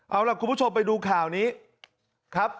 เอาล่ะคุณผู้ชมไปดูข่าวนี้ครับ